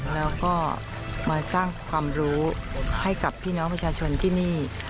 แล้วก็มาสร้างความรู้ให้กับพี่น้องประชาชนที่นี่